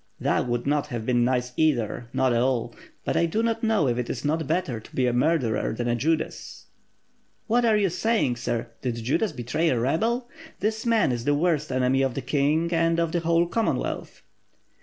"That would not have been nice either, not at all; but I do not know if it is not better to be a murderer than a Judas." "What are you saying, sir? Did Judas betray a rebel? This man is the worst enemy of the king and of the whole Commonwealth."